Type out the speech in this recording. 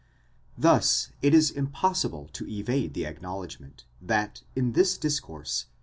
Thus it is impossible to evade the acknowledgment, that in this discourse